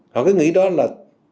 họ cứ nghĩ đó là